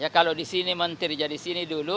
kalau di sini menteri jadi sini dulu